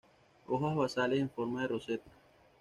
Hojas basales en forma de roseta.